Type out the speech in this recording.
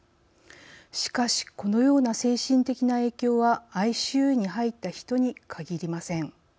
しかしこのような精神的な影響はＩＣＵに入った人に限りません。